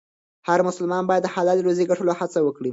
هر مسلمان باید د حلالې روزۍ د ګټلو هڅه وکړي.